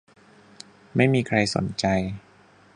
ไม่มีใครสนใจ